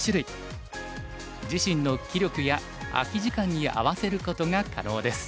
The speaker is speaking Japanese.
自身の棋力や空き時間に合わせることが可能です。